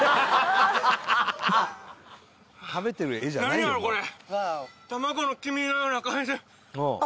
何やろこれ。